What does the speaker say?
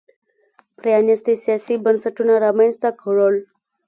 پرانیستي سیاسي بنسټونه رامنځته کړل.